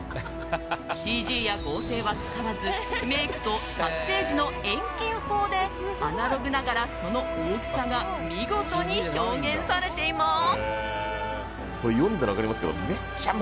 ＣＧや合成は使わずメイクと撮影時の遠近法でアナログながらその大きさが見事に表現されています。